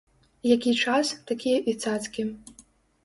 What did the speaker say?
Які час, такія і цацкі.